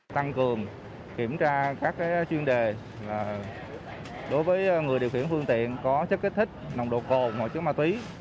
đội cảnh sát giao thông tp hcm có chất kích thích nồng độ cồn hội chứng ma túy